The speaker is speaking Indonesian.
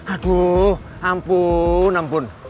aduh ampun ampun